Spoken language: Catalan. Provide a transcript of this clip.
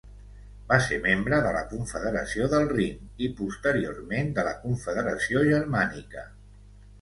Va ser membre de la Confederació del Rin i posteriorment de la Confederació Germànica.